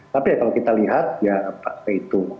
tapi kalau kita lihat ya pak taito masih berang